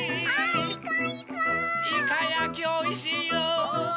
イカやきおいしいよ！